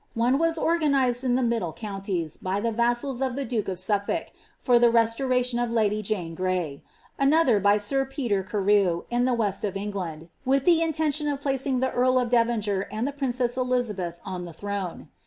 One was oiganised in the mid con* ties, by the vassals of the duke of Suflblk, for the restoration of kdv Jane Gray ; another by sir Peter Carew, in the west of England, villi the intention of placing the earl of Devonshire and the princess Elia beth on the throne.'